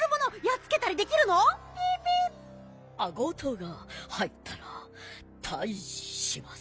あごうとうが入ったらたいじします。